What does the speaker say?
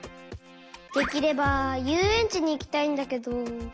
できればゆうえんちにいきたいんだけど。